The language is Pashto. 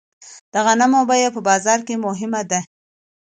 د غنمو بیه په بازار کې مهمه ده.